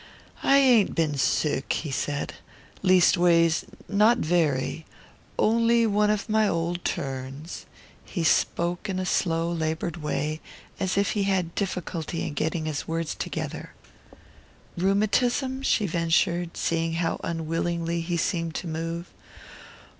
"I ain't been sick," he said. "Leastways not very: only one of my old turns." He spoke in a slow laboured way, as if he had difficulty in getting his words together. "Rheumatism?" she ventured, seeing how unwillingly he seemed to move.